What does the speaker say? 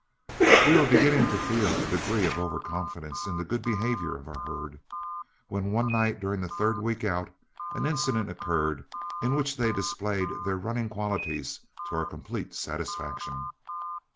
We were beginning to feel a degree of overconfidence in the good behavior of our herd, when one night during the third week out, an incident occurred in which they displayed their running qualities to our complete satisfaction.